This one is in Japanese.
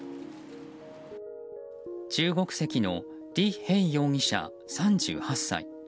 中国籍のリ・ヘイ容疑者、３８歳。